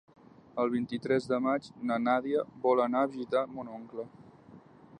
El vint-i-tres de maig na Nàdia vol anar a visitar mon oncle.